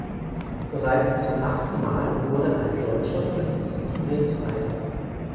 Bereits zum achten mal wurde ein Deutscher bei diesem Turnier Zweiter.